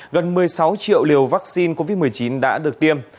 gần một mươi sáu triệu liều vaccine covid một mươi chín đã được tiêm